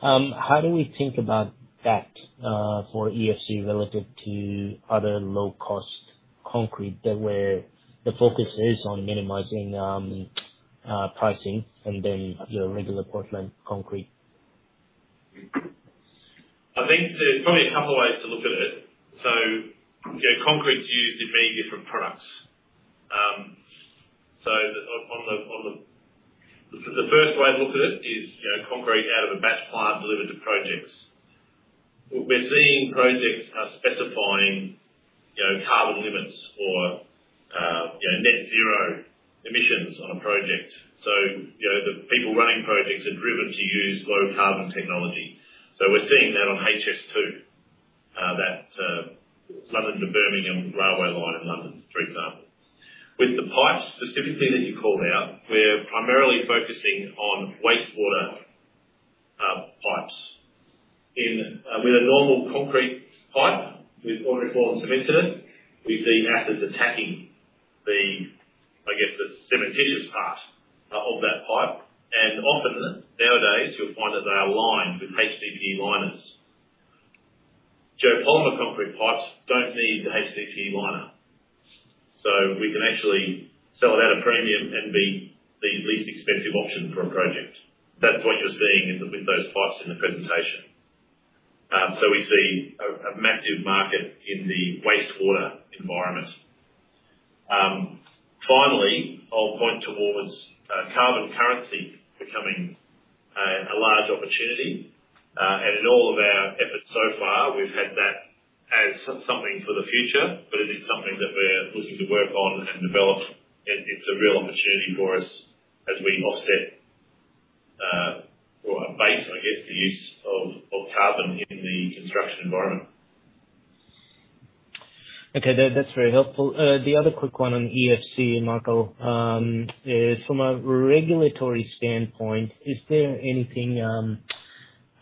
How do we think about that for EFC relative to other low-cost concrete where the focus is on minimizing pricing and then the regular Portland concrete? I think there's probably a couple of ways to look at it. You know, concrete's used in many different products. The first way to look at it is, you know, concrete out of a batch plant delivered to projects. We're seeing projects are specifying, you know, carbon limits or, you know, net zero emissions on a project. You know, the people running projects are driven to use low carbon technology. We're seeing that on HS2, that London to Birmingham railway line in London, for example. With the pipes specifically that you called out, we're primarily focusing on wastewater pipes. With a normal concrete pipe with ordinary Portland cement in it, we see acids attacking, I guess, the cementitious part of that pipe. Often nowadays you'll find that they are lined with HDPE liners. Geopolymer concrete pipes don't need the HDPE liner, so we can actually sell it at a premium and be the least expensive option for a project. That's what you're seeing with those pipes in the presentation. We see a massive market in the wastewater environment. Finally, I'll point towards carbon currency becoming a large opportunity. In all of our efforts so far, we've had that as something for the future, but it is something that we're looking to work on and develop. It's a real opportunity for us as we offset or abate, I guess, the use of carbon in the construction environment. Okay. That's very helpful. The other quick one on EFC, Michael, is from a regulatory standpoint, is there anything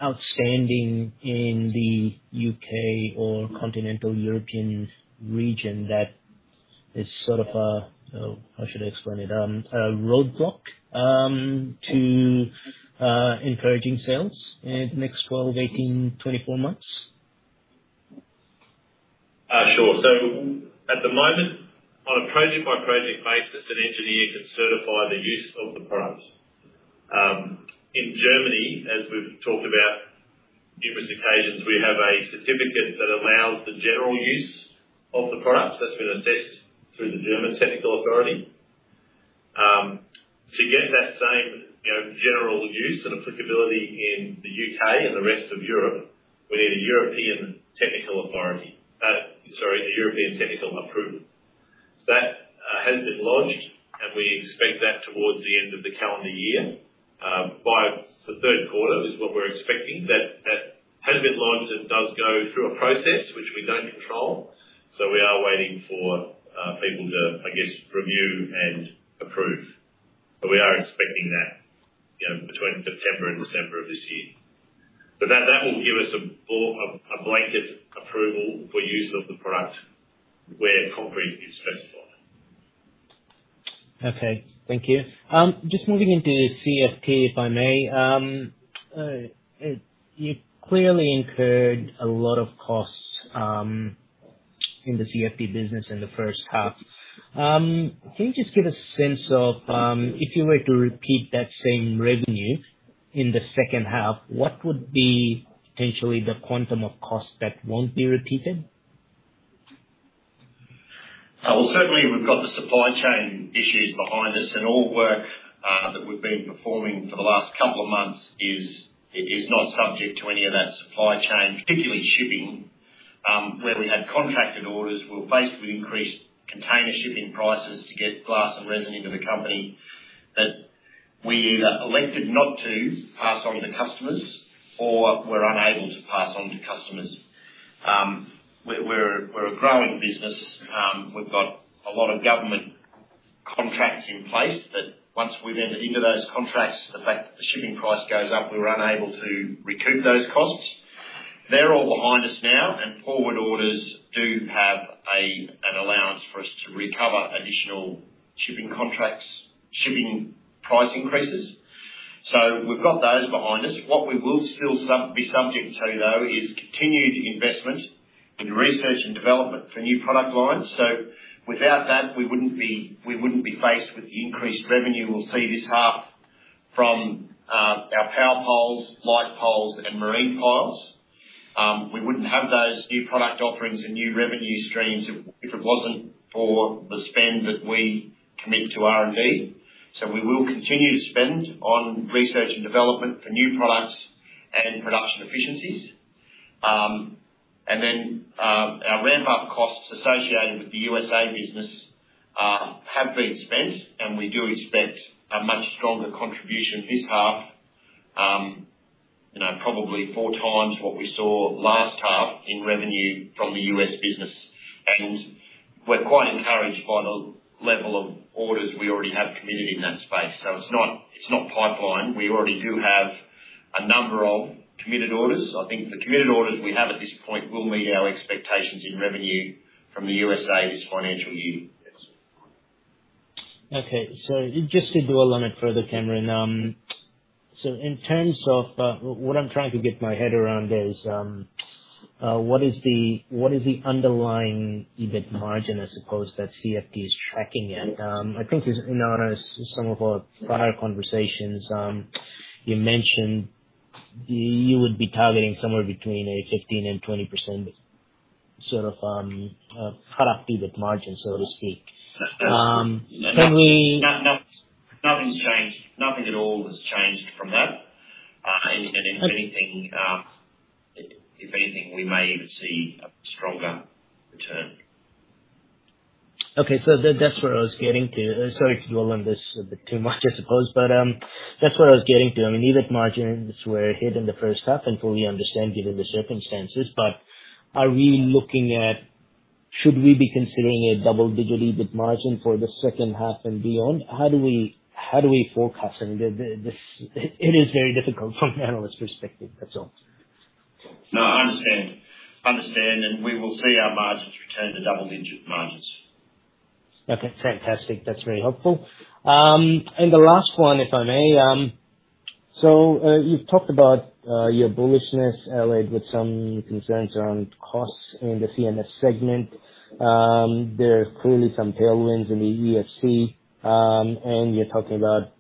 outstanding in the U.K. or continental European region that is sort of a, how should I explain it, a roadblock to encouraging sales in next 12, 18, 24 months? Sure. At the moment, on a project-by-project basis, an engineer can certify the use of the product. In Germany, as we've talked about on numerous occasions, we have a certificate that allows the general use of the product that's been assessed through the German technical authority. To get that same, you know, general use and applicability in the U.K. and the rest of Europe, we need a European technical authority. Sorry, a European Technical Approval. That has been launched, and we expect that towards the end of the calendar year, by the third quarter is what we're expecting. That has been launched and does go through a process which we don't control, so we are waiting for people to, I guess, review and approve. But we are expecting that, you know, between September and December of this year. That will give us a blanket approval for use of the product where concrete is specified. Okay. Thank you. Just moving into CFT, if I may. You clearly incurred a lot of costs in the CFT business in the first half. Can you just give a sense of, if you were to repeat that same revenue in the second half, what would be potentially the quantum of costs that won't be repeated? Well, certainly we've got the supply chain issues behind us, and all work that we've been performing for the last couple of months is not subject to any of that supply chain, particularly shipping, where we had contracted orders. We were faced with increased container shipping prices to get glass and resin into the company that we either elected not to pass on to customers or were unable to pass on to customers. We're a growing business. We've got a lot of government contracts in place that once we've entered into those contracts, the fact that the shipping price goes up, we were unable to recoup those costs. They're all behind us now, and forward orders do have an allowance for us to recover additional shipping contracts, shipping price increases. We've got those behind us. What we will still be subject to though is continued investment in research and development for new product lines. Without that, we wouldn't be faced with the increased revenue we'll see this half from our power poles, light poles and marine piles. We wouldn't have those new product offerings and new revenue streams if it wasn't for the spend that we commit to R&D. We will continue to spend on research and development for new products and production efficiencies. Our ramp-up costs associated with the U.S. business have been spent, and we do expect a much stronger contribution this half. You know, probably four times what we saw last half in revenue from the U.S. business. We're quite encouraged by the level of orders we already have committed in that space. It's not pipelined. We already do have a number of committed orders. I think the committed orders we have at this point will meet our expectations in revenue from the U.S. this financial year. Okay. Just to dwell on it further, Cameron, in terms of what I'm trying to get my head around is what is the underlying EBIT margin, I suppose, that CFT is tracking at? I think it's in honor of some of our prior conversations, you mentioned you would be targeting somewhere between 18%-20% sort of group EBIT margin, so to speak. No, nothing's changed. Nothing at all has changed from that. If anything, we may even see a stronger return. Okay. That's where I was getting to. Sorry to dwell on this a bit too much I suppose. That's what I was getting to. I mean, EBIT margins were hit in the first half, and I fully understand given the circumstances. Should we be considering a double-digit EBIT margin for the second half and beyond? How do we forecast? I mean, this is very difficult from an analyst perspective, that's all. No, I understand. We will see our margins return to double-digit margins. Okay, fantastic. That's very helpful. The last one, if I may. You've talked about your bullishness allied with some concerns around costs in the CMS segment. There are clearly some tailwinds in the EFC, and you're talking about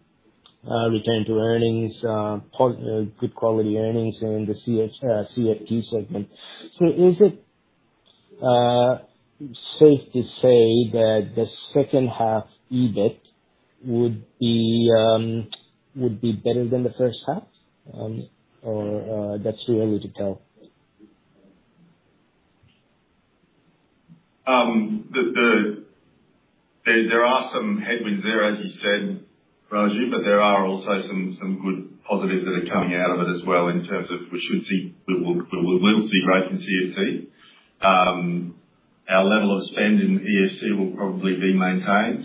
return to earnings, good quality earnings in the CFT segment. Is it safe to say that the second half EBIT would be better than the first half? Or that's too early to tell? There are some headwinds there, as you said, Raju, but there are also some good positives that are coming out of it as well in terms of we will see growth in CFT. Our level of spend in EFC will probably be maintained.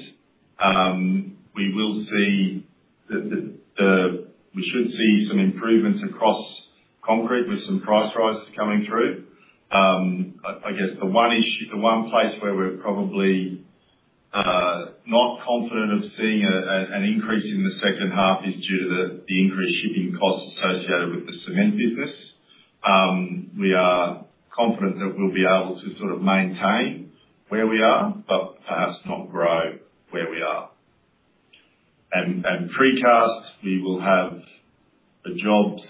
We should see some improvements across concrete with some price rises coming through. I guess the one issue, the one place where we're probably not confident of seeing an increase in the second half is due to the increased shipping costs associated with the cement business. We are confident that we'll be able to sort of maintain where we are, but perhaps not grow where we are. Precast, we will have the jobs.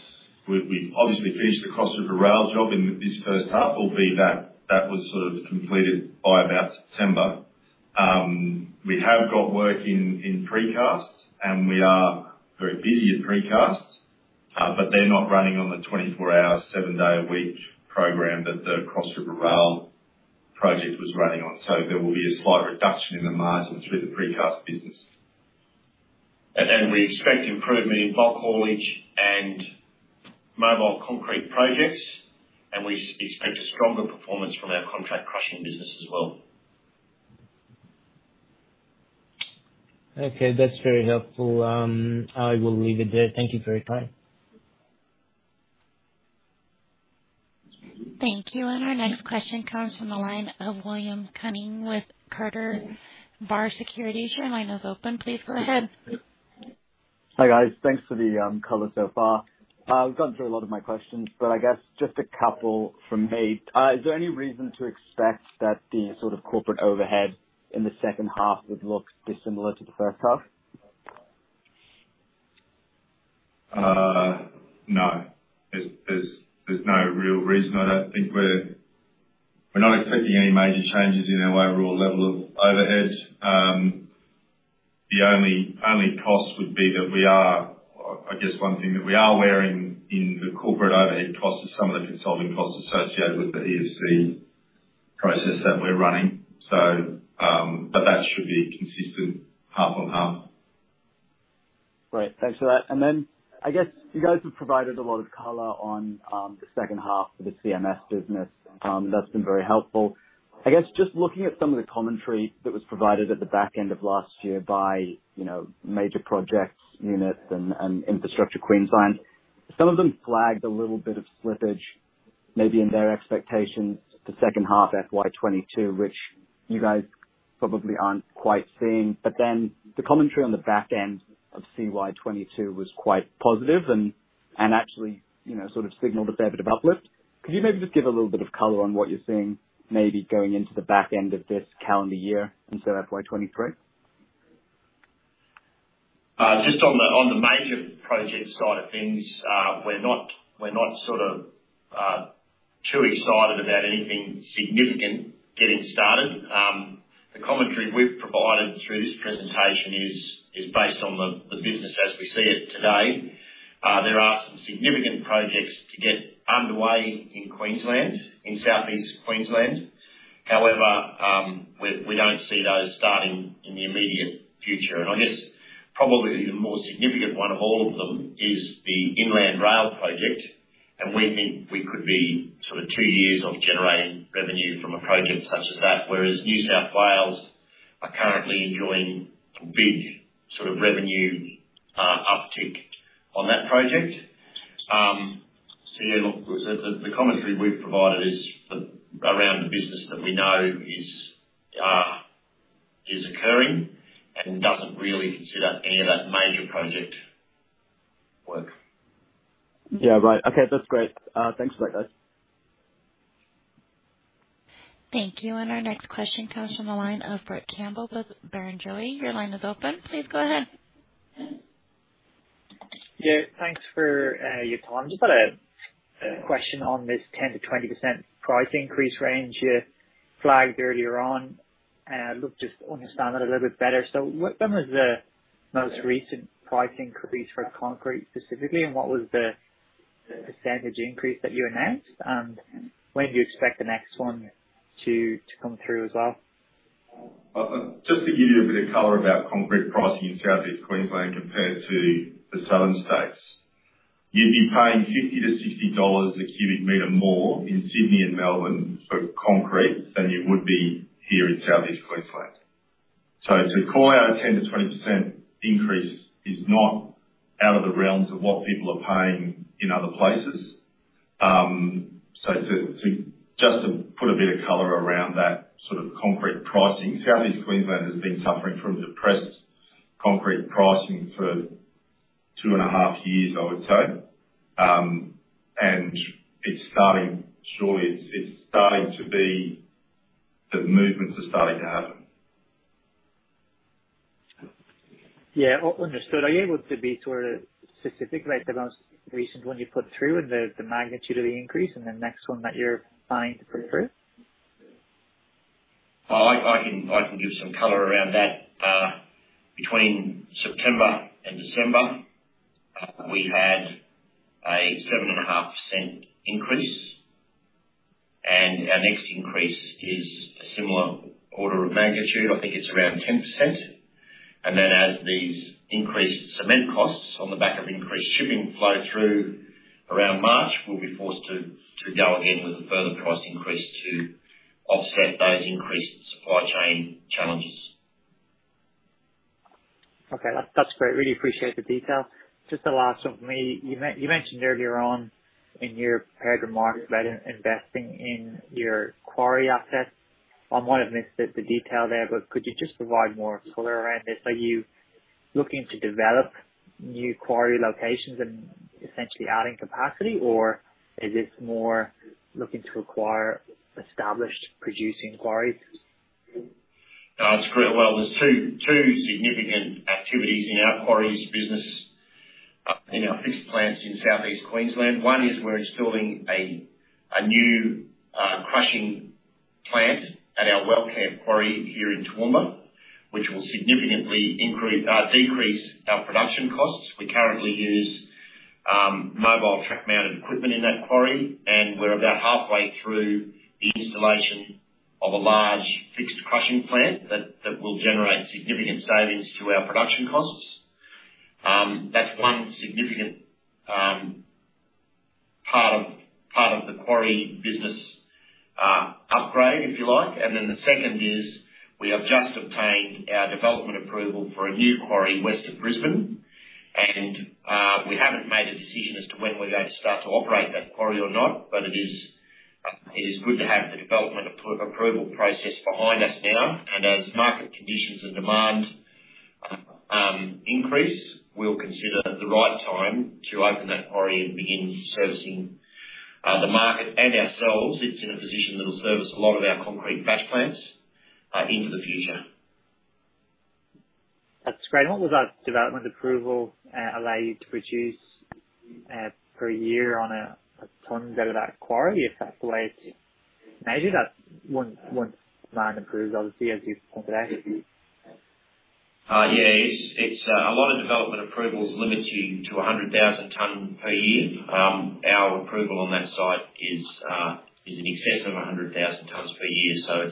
We've obviously finished the Cross River Rail job in this first half. Albeit that was sort of completed by about September. We have got work in Precast and we are very busy in Precast, but they're not running on the 24-hour, seven-day-a-week program that the Cross River Rail project was running on. There will be a slight reduction in the margins through the Precast business. We expect improvement in bulk haulage and mobile concrete projects, and we expect a stronger performance from our contract crushing business as well. Okay. That's very helpful. I will leave it there. Thank you for your time. Thank you. Our next question comes from the line of William Cunning with Carter Bar Securities. Your line is open. Please go ahead. Hi, guys. Thanks for the color so far. We've gone through a lot of my questions, but I guess just a couple from me. Is there any reason to expect that the sort of corporate overhead in the second half would look dissimilar to the first half? No. There's no real reason. I don't think we're expecting any major changes in our overall level of overhead. The only cost would be that, I guess, one thing that we are wearing in the corporate overhead costs is some of the consulting costs associated with the EFC process that we're running. But that should be consistent half on half. Great. Thanks for that. I guess you guys have provided a lot of color on the second half for the CMS business. That's been very helpful. I guess just looking at some of the commentary that was provided at the back end of last year by, you know, major projects units and Infrastructure Queensland. Some of them flagged a little bit of slippage maybe in their expectations for second half FY 2022, which you guys probably aren't quite seeing. The commentary on the back end of FY 2022 was quite positive and actually, you know, sort of signaled a fair bit of uplift. Could you maybe just give a little bit of color on what you're seeing maybe going into the back end of this calendar year and so FY 2023? Just on the major project side of things, we're not sort of too excited about anything significant getting started. The commentary we've provided through this presentation is based on the business as we see it today. There are some significant projects to get underway in Queensland, in Southeast Queensland. However, we don't see those starting in the immediate future. I guess probably the more significant one of all of them is the Inland Rail project, and we think we could be sort of two years off generating revenue from a project such as that, whereas New South Wales are currently enjoying a big sort of revenue uptick on that project. The commentary we've provided is around business that we know is occurring and doesn't really consider any of that major project. Yeah. Right. Okay. That's great. Thanks for that. Thank you. Our next question comes from the line of Brett Campbell with Barrenjoey. Your line is open. Please go ahead. Yeah, thanks for your time. Just got a question on this 10%-20% price increase range you flagged earlier on. I'd love just to understand that a little bit better. What then was the most recent pricing increase for concrete specifically and what was the percentage increase that you announced? When do you expect the next one to come through as well? Just to give you a bit of color about concrete pricing in Southeast Queensland compared to the southern states, you'd be paying 50-60 dollars a cu m more in Sydney and Melbourne for concrete than you would be here in Southeast Queensland. To call out a 10%-20% increase is not out of the realms of what people are paying in other places. Just to put a bit of color around that sort of concrete pricing, Southeast Queensland has been suffering from depressed concrete pricing for two and a half years, I would say. It's starting to be. The movements are starting to happen. Yeah. Understood. Are you able to be sort of specific about the most recent one you put through and the magnitude of the increase and the next one that you're planning to put through? I can give some color around that. Between September and December, we had a 7.5% increase, and our next increase is a similar order of magnitude. I think it's around 10%. Then as these increased cement costs on the back of increased shipping flow through around March, we'll be forced to go again with a further price increase to offset those increased supply chain challenges. Okay. That's great. Really appreciate the detail. Just the last one from me. You mentioned earlier on in your prepared remarks about investing in your quarry assets. I might have missed the detail there, but could you just provide more color around this? Are you looking to develop new quarry locations and essentially adding capacity, or is this more looking to acquire established producing quarries? It's great. Well, there's two significant activities in our quarries business in our fixed plants in Southeast Queensland. One is we're installing a new crushing plant at our Wellcamp quarry here in Toowoomba, which will significantly decrease our production costs. We currently use mobile track mounted equipment in that quarry, and we're about halfway through the installation of a large fixed crushing plant that will generate significant savings to our production costs. That's one significant part of the quarry business upgrade, if you like. The second is we have just obtained our development approval for a new quarry west of Brisbane. We haven't made a decision as to when we're going to start to operate that quarry or not, but it is good to have the development approval process behind us now. As market conditions and demand increase, we'll consider the right time to open that quarry and begin servicing the market and ourselves. It's in a position that will service a lot of our concrete batch plants into the future. That's great. What was that development approval allow you to produce per year on a ton out of that quarry, if that's the way it's measured at one time approved, obviously, as you pointed out? It's a lot of development approvals limits you to 100,000 ton per year. Our approval on that site is in excess of 100,000 tons per year.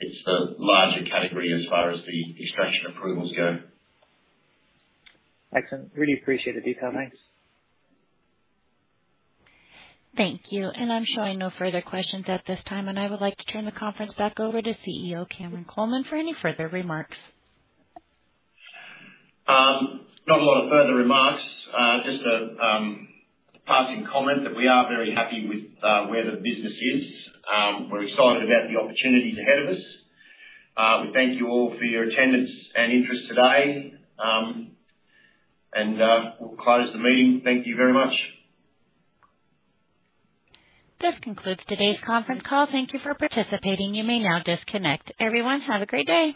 It's the larger category as far as the extraction approvals go. Excellent. I really appreciate the detail, mate. Thank you. I'm showing no further questions at this time. I would like to turn the conference back over to Chief Executive Officer Cameron Coleman for any further remarks. Not a lot of further remarks. Just a passing comment that we are very happy with where the business is. We're excited about the opportunities ahead of us. We thank you all for your attendance and interest today, and we'll close the meeting. Thank you very much. This concludes today's conference call. Thank you for participating. You may now disconnect. Everyone, have a great day.